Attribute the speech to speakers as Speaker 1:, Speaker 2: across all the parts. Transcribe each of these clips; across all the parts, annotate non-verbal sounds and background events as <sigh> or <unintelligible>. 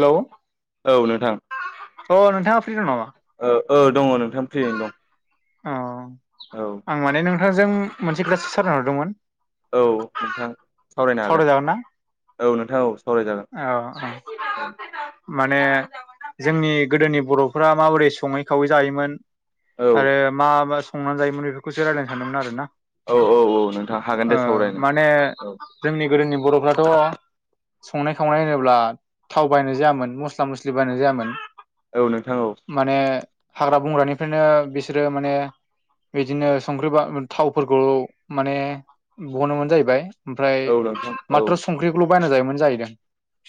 Speaker 1: Hello अ
Speaker 2: औ नोंथां।
Speaker 1: नोंथाङा फ्रि दं नामा
Speaker 2: ओ दङ ओ नोंथां फ्रियैनो दं।
Speaker 1: अ
Speaker 2: औ
Speaker 1: आं माने नोंथांजों मोनसे खोथासो सावरायनो हरदोंमोन।
Speaker 2: औ नोंथां सावरायनो हागोन
Speaker 1: सावरायजागोन ना
Speaker 2: औ नोंथां औ। सावरायजागोन
Speaker 1: औ
Speaker 2: औ
Speaker 1: <inaudible> माने जोंनि गोदोनि बर'फोरा माबोरै सङै खावै जायोमोन
Speaker 2: औ
Speaker 1: आरो मा मा संनानै जायोमोन बेफोरखौसो रायज्लायनो सानदोंमोन आरो ना।
Speaker 2: औ औ औ नोंथां हागोन
Speaker 1: ओ
Speaker 2: दे सावरायनो
Speaker 1: माने
Speaker 2: औ
Speaker 1: जोंनि गोदोनि बर'फ्राथ' संनाय खावनाय होनोब्ला थाव बाहायनाय जायामोन मस्ला मस्लि बाहायनाय जायामोन।
Speaker 2: औ नोंथां औ
Speaker 1: माने हाग्रा बंग्रानिफ्रायनो बिसोरो माने बिदिनो संख्रि बा थावफोरखौ माने बहनो मोन जाहैबाय। ओमफ्राय
Speaker 2: औ नोंथां औ
Speaker 1: माथ्र संख्रिखौल' बायना जायोमोन जाहैदों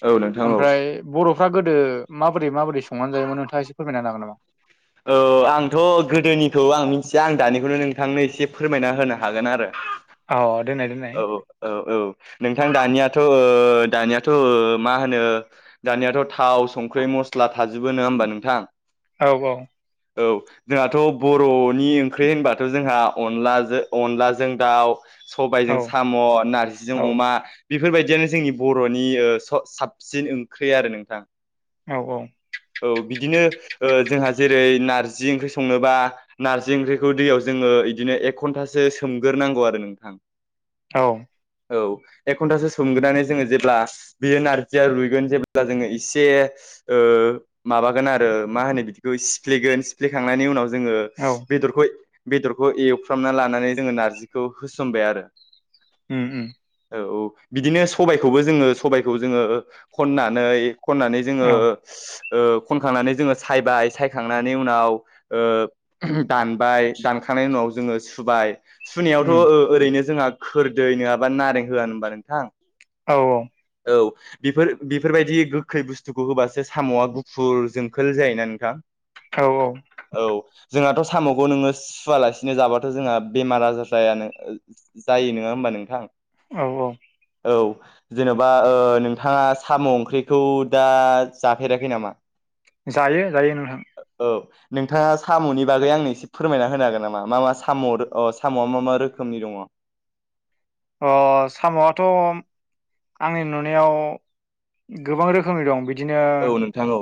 Speaker 2: औ नोंथां औ
Speaker 1: ओमफ्राय बर' फ्रा गोदो माबोरै माबोरै संनानै जायोमोन नोंथाङा एसे फोरमायना हागोन नामा?
Speaker 2: औ आंथ' गोदोनिखौ आं मिथिया आं दानिखौनो नोंथांनो एसे फोरमायना होनो हागोन आरो
Speaker 1: अ दोननाय दोननाय
Speaker 2: औ औ औ नोंथां दानियाथ' ओ दानियाथ' ओ मा होनो दानियाथ' थाव, संख्रि, मस्ला थाजोबो नङा ओमबा नोंथां?
Speaker 1: औ औ
Speaker 2: औ जोंहाथ' बर'नि ओंख्रि होनबाथ' जोंहा अनलाजों अनलाजों दाउ,
Speaker 1: औ
Speaker 2: सबायजों साम', नारजिजों
Speaker 1: औ
Speaker 2: अमा बेफोरबायदियानो जोंनि बर'नि साबसिन ओंख्रि आरो नोंथां।
Speaker 1: औ औ
Speaker 2: औ बिदिनो ओ जोंहा जेरै नारजि ओंख्रि संनोबा नारजि ओंख्रिखौ दै जोङो बिदिनो एक घन्टासो सो मग्रोनांगौ आरो नोंथां।
Speaker 1: औ
Speaker 2: औ एक घन्टासो सोमग्रोनानै जोङो जेब्ला बियो नारजिया रुयगोन जेब्ला जोङो एसे ओ माबागोन आरो मा होनो बिदि बे सिफ्लेगोन सिफ्लेखांनायनि उनाव जोङो
Speaker 1: औ
Speaker 2: बेदरखौ बेदरखौ एवफ्रामना लानानै जोङो नारजिखौ होसनबाय आरो
Speaker 1: उम उम
Speaker 2: औ औ बिदिनो सबायखौबो जोङो सबायखौ जोङो खननानै खननानै जोङो
Speaker 1: औ
Speaker 2: ओ खनखांनानै जोङो सायबाय सायखांनायनि उनाव ओ दानबाय दानखांनायनि उनाव जोङो सुबाय
Speaker 1: उम
Speaker 2: सुनायावथ' ओरैनो जोंहा खोरदै नङाबा नारें होआ होनबा नोंथां?
Speaker 1: औ औ।
Speaker 2: औ बेफोर बेफोरबायदि गोखै बुस्थुखौ होबासो साम'आ गुफुर जोंखोल जायोना नोंथां।
Speaker 1: औ औ
Speaker 2: औ जोंहाथ' साम'खौ नोङो सुवालासिनो जाबाथ' जोंहा बेमार आजार जायानो जायो नङा होमबा? नोंथां।
Speaker 1: औ औ।
Speaker 2: औ जेन'बा ओ नोंथाङा साम' ओंख्रिखौ दा जाफेराखै नामा?
Speaker 1: जायो जायो नोंथां।
Speaker 2: औ नोंथाङा साम'नि बागै आंनो एसे फोरमायना होनो हागोन नामा मा मा साम' साम'आ मा मा रोखोम नि दङ।
Speaker 1: अ साम'आथ' आंनि नुनायाव गोबां रोखोमनि दं बिदि।
Speaker 2: औ नोंथां औ।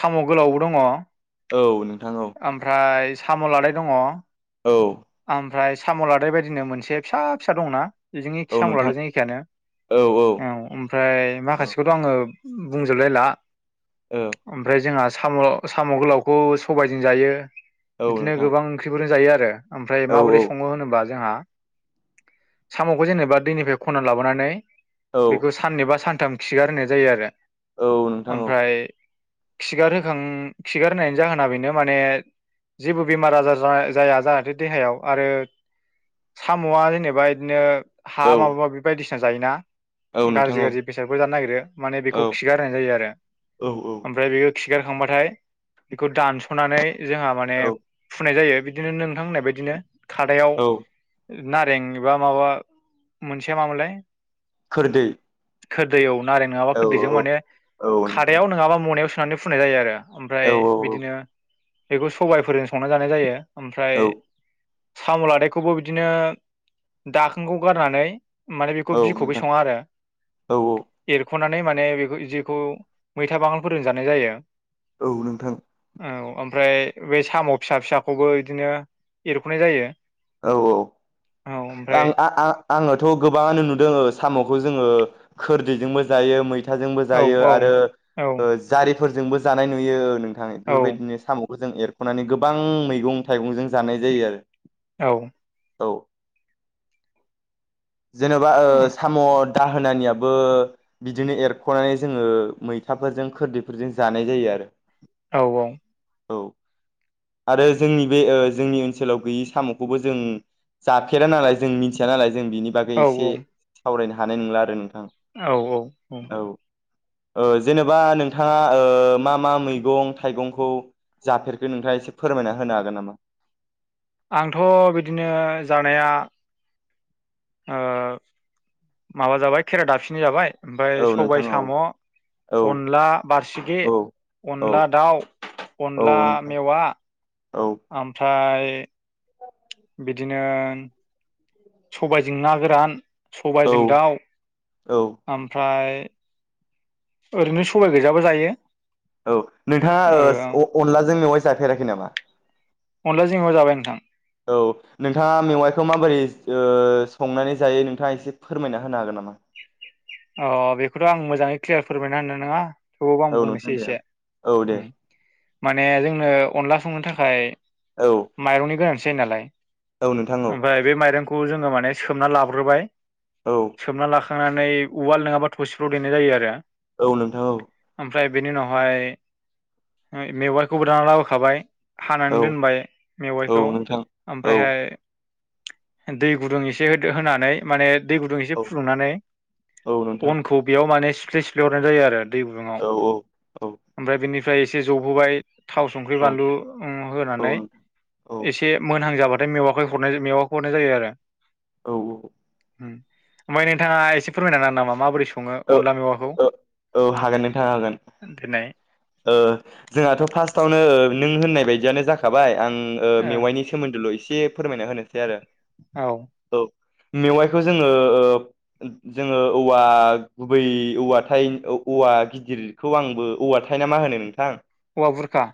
Speaker 1: साम' गोलावबो दङ।
Speaker 2: औ नोंथां औ।
Speaker 1: ओमफ्राय साम' लादाय दङ।
Speaker 2: औ
Speaker 1: ओमफ्राय साम' लादाय बायदिनो मोनसे फिसा फिसा दंना? बेजों एखि
Speaker 2: औ
Speaker 1: साम'
Speaker 2: नोंथां
Speaker 1: लादाय' जों एखेयानो औ ओमफ्राय माखासेखौथ' आङो बुंजोबलायला
Speaker 2: औ
Speaker 1: ओमफ्राय जोंहा साम' साम' गोलावखौ सबायजों जायो
Speaker 2: औ
Speaker 1: बिदिनो
Speaker 2: नोंथां
Speaker 1: गोबां ओंख्रिफोरजों जायो आरो। ओमफ्राय
Speaker 2: औ
Speaker 1: माबोरै
Speaker 2: औ
Speaker 1: सङो होनोबा जोंहा साम'खौ जेनेबा दैनिफ्राय खननानै लाबोनानै
Speaker 2: औ
Speaker 1: बेखौ साननैबा सानथाम खिगार होनाय जायो आरो
Speaker 2: औ नोंथां औ
Speaker 1: ओमफ्राय खिगार होखां खिगार होनायनि जाहोना बेनो माने जेबो बेमार आजार जाया जाहाथे देहायाव आरो साम'आ जेनेबा बिदिनो हा
Speaker 2: औ
Speaker 1: माबा माबि बायदिसिना जायोना।
Speaker 2: औ नोंथां
Speaker 1: गाज्रि
Speaker 2: औ
Speaker 1: गाज्रि बेसादफोर जानो नागिरो माने
Speaker 2: औ
Speaker 1: बेखौ खिगार होनाय जायो आरो।
Speaker 2: औ
Speaker 1: ओमफ्राय बेयो खिगारखांबाथाय बेखौ दानस'नानै जोंहा माने
Speaker 2: औ
Speaker 1: फुनाय जायो। बिदिनो नोंथां होननाय बायदिनो खादायाव
Speaker 2: औ
Speaker 1: नारेंबा माबा मोनसे मामोनलाय?
Speaker 2: खोरदै।
Speaker 1: खोरदै औव नारें नङाबा
Speaker 2: औ
Speaker 1: खोरदैजों
Speaker 2: औ
Speaker 1: माने
Speaker 2: औ नोंथां
Speaker 1: खादायाव नङाबा मनायाव सोनानै फुनाय जायो आरो।
Speaker 2: औ
Speaker 1: ओमफ्राय बिदिनो बेखौ सबाइफोरजों संना जानाय जायो।
Speaker 2: औ
Speaker 1: ओमफ्राय साम' लादायखौबो बिदिनो दाखोनखौ गारनानै माने बेखौ
Speaker 2: औ
Speaker 1: बिखौ
Speaker 2: नोंथां
Speaker 1: सङा आरो
Speaker 2: औ
Speaker 1: एरख' नानै माने बे जेखौ मैथा बांगालफोरजों जानाय जायो।
Speaker 2: औ नोंथां।
Speaker 1: औ ओमफ्राय बे साम' फिसा फिसाखौबो बिदिनो एरख'नाय जायो।
Speaker 2: औ औ।
Speaker 1: औ ओमफ्राय
Speaker 2: आं-आं-आं आङोथ' गोबाङानो नुदों साम'खौ जोंओ खोरदैजोंबो जायो मैथाजोंबो
Speaker 1: औ
Speaker 2: जायो
Speaker 1: औ
Speaker 2: आरो
Speaker 1: औ
Speaker 2: जारि फोरजोंबो जानाय नुयो ओ नोंथां
Speaker 1: औ
Speaker 2: बेफोरबायदिनो सामखौ। जों एरख'नानै गोबां मैगं थाइगंजों जानाय जायो आरो।
Speaker 1: औ।
Speaker 2: औ। जेनेबा ओ
Speaker 1: औ
Speaker 2: साम' दाहोनानियाबो बिदिनो एरख'नानै जोङो मैथाफोरजों खोरदैफोरजों जानाय जायो आरो।
Speaker 1: औ
Speaker 2: औ
Speaker 1: <inaudible>
Speaker 2: आरो जोंनि बे ओ जोंनि ओनसोलाव गैयि साम'खौबो जों जाफेरा नालाय जों मिथिया नालाय जों बिनि बागै
Speaker 1: औ
Speaker 2: एसे सावरायनो हानाय नंला आरो नोंथां।
Speaker 1: औ औ औ।
Speaker 2: ओ जेनेबा नोंथाङा ओ मा मा मैगं थाइगंखौ जाफेरखो नोंथाङा एसे फोरमायना होनो हागोन नामा?
Speaker 1: आंथ' बिदिनो जानाया ओ माबा जाबाय खेरा दाफिनि जाबाय। ओमफ्राय
Speaker 2: औ
Speaker 1: सबाय
Speaker 2: नोंथां औ
Speaker 1: साम'
Speaker 2: औ
Speaker 1: अनला बारसिखि
Speaker 2: औ औ
Speaker 1: अनला दाउ, अनला
Speaker 2: औ नोंथां
Speaker 1: मेवा
Speaker 2: औ
Speaker 1: ओमफ्राय बिदिनो सबायजों ना गोरान सबायजों
Speaker 2: औ
Speaker 1: दाउ
Speaker 2: औ
Speaker 1: ओमफ्राय ओरैनो सबाय गैजाबो जायो।
Speaker 2: औ नोंथांङा ओ अ-अनलाजों मेवाइ जाफेराखै नामा?
Speaker 1: अनला जों मेवाइ जाबाय नोंथां
Speaker 2: औ नोंथांङा मेवाइखौ माबोरै ओ संनानै जायो नोंथांङा एसे फोरमायना होनो हागोन नामा?
Speaker 1: अ बेखौथ' आं मोजांङै क्लियार फोरमायना होननाय नोंङा थेवावबो आं
Speaker 2: औ नोंथां
Speaker 1: बुंनोसै
Speaker 2: दे औ
Speaker 1: एसे
Speaker 2: औ दे
Speaker 1: माने जोंनो अनला संनो थाखाय
Speaker 2: औ
Speaker 1: माइरंनि गोनांथि जायो नालाय
Speaker 2: औ नोंथां औ
Speaker 1: ओमफ्राय बे माइरंखौ खौ जोंङो माने सोबना लाग्रोबाय
Speaker 2: औ
Speaker 1: सोमना लाखांनानै उवाल नोंङाबा थपसिफ्राव देनाय जायो आरो
Speaker 2: औ नोंथां औ
Speaker 1: ओमफ्राय बेनि उनावहाय मेवाइखौबो दाना लाबोखाबाय हानानै दोनबाय
Speaker 2: औ
Speaker 1: मेवाइखौ
Speaker 2: नोंथां औ
Speaker 1: ओमफ्रायहाय दै गुदुं एसे होदो होनानै माने दै गुदुं
Speaker 2: औ
Speaker 1: एसे फुदुंनानै
Speaker 2: औ नोंथां
Speaker 1: अनखौ बेयाव माने सिफ्ले सिफ्ले हरनाय जायो आरो दै गुदुंङाव
Speaker 2: औ औ
Speaker 1: ओमफ्राय बेनि ओमफ्राय एसे जबहोबाय थाव संख्रि
Speaker 2: औ
Speaker 1: बानलु उम
Speaker 2: औ
Speaker 1: होनानै
Speaker 2: नोंथां औ
Speaker 1: एसे मोनहां जाबा थाय मेवाइखौ हरनाय मेवाइखौ हरनाय जायो आरो
Speaker 2: औ औ
Speaker 1: ओमफ्राय नोंथांङा एसे फोरमायना हागोन नामा माबोरै संङो अनला मेवाखौ
Speaker 2: औ औ हागोन नोंथांङा हागोन
Speaker 1: देनाय
Speaker 2: ओ जोंहाथ' फार्स्टआवनो ओ नों होननाय बायदियानो जाखाबाय आं
Speaker 1: ओ
Speaker 2: मेवाइनि सोमोन्दोल' एसे फोरमायना होनोसै आरो
Speaker 1: औ
Speaker 2: औ मेवाइखौ जोंङो ओ जोंङो औवा गुबै औवाथाय औवा गिदिरखौ आंबो औवा थयना मा होनो नोंथां
Speaker 1: औवा बुरखा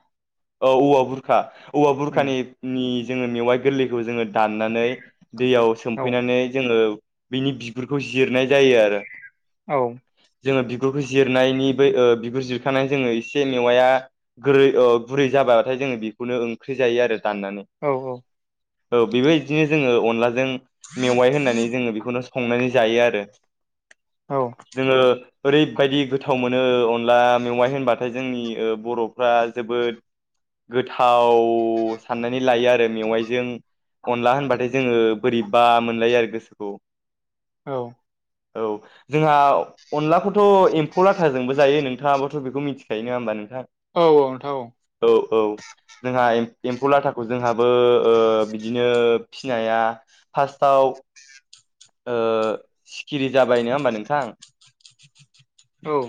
Speaker 2: औ औवा बुरखा औवा
Speaker 1: उम
Speaker 2: बुरखानि जोंङो मेवाइ गोरलैखौ जोंङो दाननानै दैयाव
Speaker 1: औ
Speaker 2: सोमफैनानै जोंङो बिनि बिगुरखौ जिरनाय जायो आरो
Speaker 1: औ
Speaker 2: जोङो बिगुरखौ जिरनायनि बै ओ बिगुर जिरखानाय जोंङो एसे मेवाया गोरै ओ गुरै जाबाथाय जों बेखौनो ओंख्रि जायो आरो दाननानै
Speaker 1: औ
Speaker 2: औ बेबायदिनो जोंङो अनलाजों मेवाइ होननानै जोंङो बेखौनो संनानै जायो आरो
Speaker 1: औ
Speaker 2: जोङो ओरैबायदि गोथाव मोनो अनला मेवाइ होनबाथाय जोंनि ओ बर'फ्रा जोबोद गोथाव साननानै लायो आरो मेवाइजों अनला होनबाथाय जोंङो बोरैबा मोनलायो आरो गोसोखौ
Speaker 1: औ
Speaker 2: औ जोंहा अनलाखौ खौथ' एम्फौ लाथाजोंबो जायो नोंथांङाबोथ' बेखौ मिथिखायो नोंङा होमबा नों
Speaker 1: औ नोंथां
Speaker 2: औ औ जोंहा एम्फौ लाथाखौ जोंहाबो ओ बिदिनो फिनाया फार्स्ट थाव ओ सिखिरि जाबाय नोंङा होमबा नोंथां
Speaker 1: औ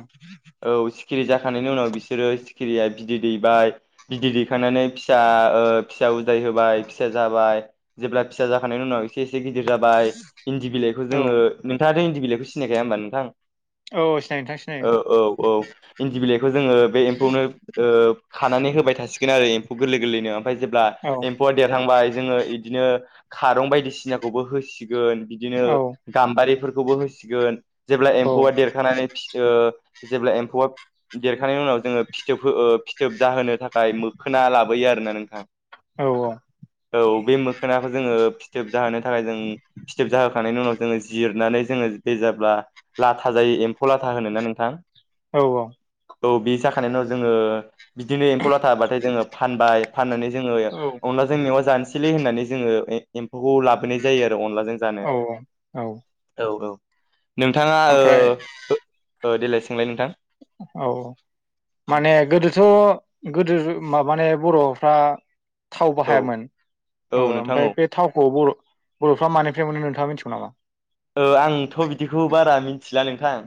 Speaker 2: औ सिखिरि जाखांनायनायनि उनाव बिसोरो खिरिया बिदै दैबाय बिदै दैखांनानै फिसा ओ फिसा उदाय होबाय फिसा जाबाय जेब्ला फिसा जाखांनायनि उनाव एसे एसे गिदिर जाबाय इन्दि बिलाइखौ
Speaker 1: औ
Speaker 2: जोंङो नोंथांङाथ' इन्दि बिलाइखौ सिनायखाया होमबा नोंथां
Speaker 1: औ सिनायो नोंथां
Speaker 2: औ
Speaker 1: सिनायो
Speaker 2: औ इन्दि बिलाइखौ जोंङो बे एम्फौनो ओ खानानै होबाय थासिगोन आरो एम्फौ गोरलै गोरलैनो ओमफ्राय जेब्ला
Speaker 1: औ
Speaker 2: एम्फौआ देरहांबाय जोंङो इदिनो खारं बायदिसिनाखौबो होसिग गोन बिदिनो
Speaker 1: औ
Speaker 2: गाम्बारिफोरखौबो होसिगोन जेब्ला
Speaker 1: औ
Speaker 2: एम्फौआ देरखानानै फियो जेब्ला एम्फौआ देरखांनायनि उनाव जोङो फिथोब फिथोब जाहोनो थाखाय मोखोना लाबोयो आरोना नोंथां
Speaker 1: औ औ
Speaker 2: औ बे मोखोनाखौ जोङो फिथोब जाहोनो थाखाय जों फिथोब जाहोखांनायनि उनाव जोङो जिरनानै जोङो बे ए जाब्ला लाथा जायो एम्फौ लाथा होनोना नोंथां
Speaker 1: औ औ
Speaker 2: औ बे जाखानाय उनाव जोङो बिदिनो एम्फौ लाथा बाथाय जोङो फानबाय फाननानै जोङो अनलाजों मेवा जानोसैलै होननानै जोङो एम्फौखौ लाबोनाय जायो अनलाजों जानो
Speaker 1: औ औ
Speaker 2: औ औ नोंथाङा
Speaker 1: ओमफ्राय
Speaker 2: ओ ओ देलाय सोंलाय नोंथां
Speaker 1: औ माने गोदोथ' गोदो जो माबानाय बर'फ्रा थाव
Speaker 2: औ
Speaker 1: बाहायामोन
Speaker 2: औ
Speaker 1: ओ
Speaker 2: नोंथां
Speaker 1: ओमफाय
Speaker 2: औ
Speaker 1: बे थावखौ बर'फ्रा मानिफ्राय मोन नोंथाङा मिथिगौ नामा?
Speaker 2: ओ आंथ' बिदिखौ बारा मिथिला नोंथां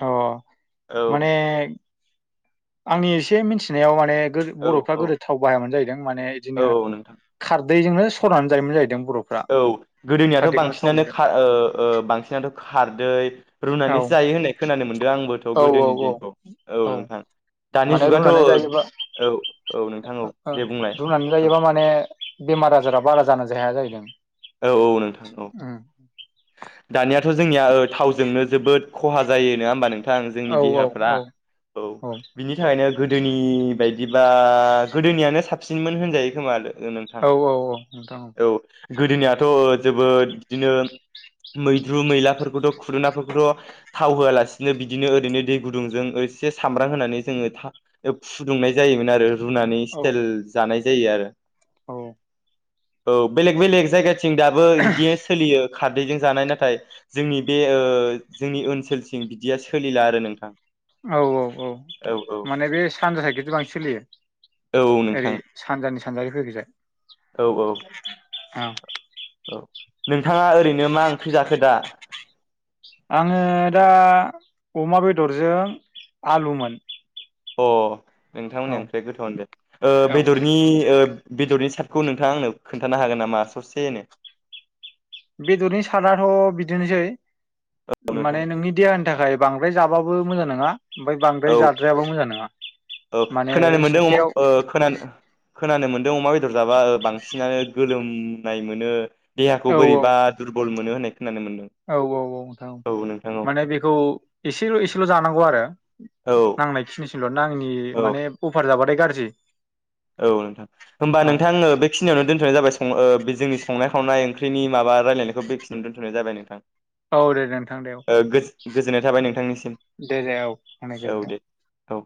Speaker 1: अ
Speaker 2: औ
Speaker 1: माने आंनि एसे मिथिनायाव माने गोजो
Speaker 2: औ
Speaker 1: बर'फ्रा
Speaker 2: औ
Speaker 1: गोदो थाव बाहायामोन जाहैदों माने
Speaker 2: औ
Speaker 1: बिदिनो
Speaker 2: नोंथां
Speaker 1: खारदैजोंनो सरनानै जायोमोन जाहैदों बर'फ्रा
Speaker 2: औ गोदोनियाथ'
Speaker 1: खारदैखौनो थाव
Speaker 2: बांसिनानो
Speaker 1: महरै
Speaker 2: खा ओ ओ बांसिनाथ' खारदै
Speaker 1: औ
Speaker 2: रुनानैसो जायो होननाय खोनानो मोनदों आंबोथ'
Speaker 1: औ औ
Speaker 2: गोदोनि
Speaker 1: औ
Speaker 2: दिनखौ औ नोंथां दानि
Speaker 1: माने
Speaker 2: जुगाथ'
Speaker 1: रुनानै जायोबा
Speaker 2: औ औ नोंथां औ दे बुंलाय
Speaker 1: रुनानै
Speaker 2: औ
Speaker 1: जायोबा माने बेमार आजारा बारा जान जाया जाहैदों
Speaker 2: औ औ नोंथां औ
Speaker 1: उम
Speaker 2: दानियाथ' जोंनिया ओ थावजोंनो जोबोद खहा जायो नङा होमबा नों थां जोंनि
Speaker 1: औ औ
Speaker 2: देहाफ्रा
Speaker 1: औ
Speaker 2: औ बिनि थाखायनो गोदोनि बायदिबा गोदोनियानो साबसिनमोन होनजायो खोमा ओ नोंथां
Speaker 1: औ औ औ नोंथां
Speaker 2: औ गोदोनियाथ' जोबोद बिदिनो मैद्रु मैलाफोरखौथ' फुदुनाफोरखौथ' थाव होआलासिनो बिदिनो ओरैनो दै गुदुंजों एसे सामब्राम होनानै जोङो फुदुंनाय जायोमोन आरो रुनानै
Speaker 1: औ
Speaker 2: स्टाइल जानाय जायो आरो
Speaker 1: औ
Speaker 2: औ बेलेग बेलेग जायगाथिं दाबो बिदि सोलियो खारदैजों जानाय नाथाय जोंनि बे ओ जोंनि ओनसोलसिम बिदिया सोलिला आरो नोंथां
Speaker 1: औ औ औ माने बे सानजा साइदखै बांसिन सोलियो।
Speaker 2: औ
Speaker 1: ओरै
Speaker 2: नोंथां
Speaker 1: सानजानि सानजारि फैगोजाय
Speaker 2: औ औ
Speaker 1: ओं
Speaker 2: औ नोंथाङा ओरैनो मा ओंख्रि जाखो दा
Speaker 1: आङो दा अमा बेदरजों आलुमोन
Speaker 2: अ
Speaker 1: औ
Speaker 2: नोंथांमोना ओंख्रि गोथावनो दे ओ
Speaker 1: औ औ
Speaker 2: बेदरनि ओ बेदरनि सार्टखौ नोंथाङा आंनो खोन्थानो हागोन नामा ससेनो
Speaker 1: बेदरनि सादआथ' बिदिनोसै
Speaker 2: औ नोंथां
Speaker 1: माने नोंनि देहानि थाखाय बांद्राय जाबाबो मोजां नङा ओमफाय बांद्राय
Speaker 2: औ
Speaker 1: जाद्रायाबो मोजां नङा।
Speaker 2: औ
Speaker 1: माने
Speaker 2: खोनानो मोनदों
Speaker 1: सप्तायाव
Speaker 2: ओ खोनानो खोनानो मोनदों अमा बेदर जाबा बां सिनानो गोलोमनाय मोनो देहाखौ
Speaker 1: औ
Speaker 2: बोरैबा दुरबल मोनो होननाय खोनानो मोनदों।
Speaker 1: औ औ औ नोंथां
Speaker 2: औ नोंथां औ
Speaker 1: माने बेखौ एसेल' एसेल' जानांगौ आरो
Speaker 2: औ
Speaker 1: नांनाय खिनिसिमल' नांनि
Speaker 2: औ
Speaker 1: माने अफार जाबाथाय गाज्रि
Speaker 2: औ नोंथां होमबा
Speaker 1: औ
Speaker 2: नोंथां ओ बेखिनियावनो दोनथ'नाय जाबाय बे जोंनिं संनाय खावनाय ओंख्रिनि माबा रायलायखौ बेखिनियावनो दोनथ'नाय जाबाय नों
Speaker 1: औ दे नोंथां दे
Speaker 2: गोजोननाय थाबाय नोंथांनिसिम
Speaker 1: औ <unintelligible>
Speaker 2: औ